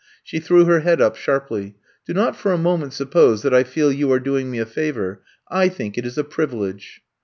She threw her head up sharply. Do not for a moment suppose that I feel you are doing me a favor — ^I think it is a privilege